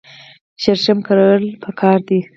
شړشم کرل پکار دي.